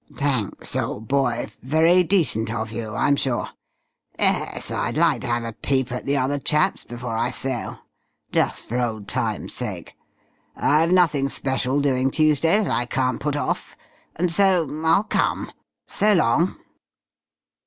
"Thanks, old boy. Very decent of you, I'm sure. Yes, I'd like to have a peep at the other chaps before I sail. Just for old times' sake. I've nothing special doing Tuesday that I can't put off. And so I'll come. So long."